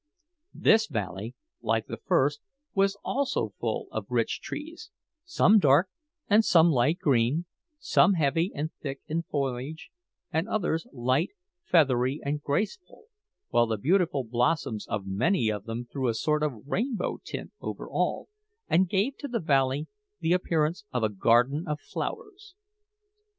This valley, like the first, was also full of rich trees some dark and some light green, some heavy and thick in foliage, and others light, feathery, and graceful, while the beautiful blossoms on many of them threw a sort of rainbow tint over all, and gave to the valley the appearance of a garden of flowers.